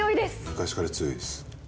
昔から強いです。